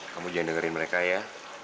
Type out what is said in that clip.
kamu jangan dengerin mereka ya